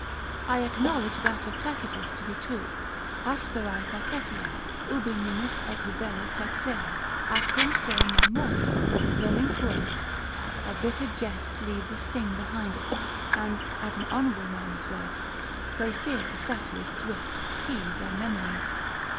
I acknowledge that of Tacitus to be true, Asperae facetiae, ubi nimis ex vero traxere, acrem sui memoriam relinquunt, a bitter jest leaves a sting behind it: and as an honourable man observes, They fear a satirist's wit, he their memories.